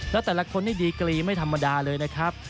แล้วแต่ละคนนี่ดีกรีไม่ธรรมดาเลยนะครับ